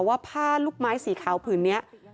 ว่าผ้าลูกไม้สีขาวผืนนี้